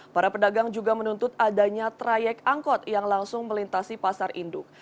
para pedagang juga menuntut adanya trayek angkot yang langsung melintasi pasar induk